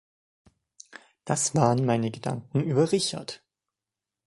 Das waren meine Gedanken über Richard.